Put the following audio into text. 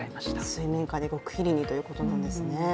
水面下で極秘裏ということなんですね。